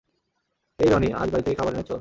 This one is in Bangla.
এই রনি, আজ বাড়ি থেকে খাবার এনেছো?